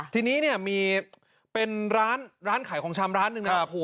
ทีนี้เนี่ยมีเป็นร้านขายของชำร้านหนึ่งนะครับ